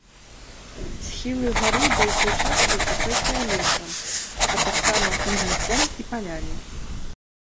Схілы гары большай часткай пакрытыя лесам, а таксама хмызняком і палямі.